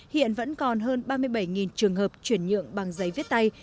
hiện vẫn còn hơn ba mươi bảy trường hợp chuyển nhượng bằng giấy viết tay